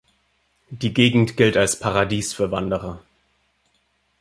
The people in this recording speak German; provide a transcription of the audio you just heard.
Die Gegend gilt als Paradies für Wanderer.